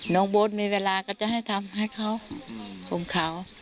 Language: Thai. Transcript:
น้องบุญมีเวลาก็จะให้ทำให้เขาภูมิเขา